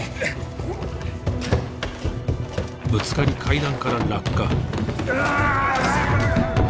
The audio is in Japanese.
ぶつかり階段から落下ああっ！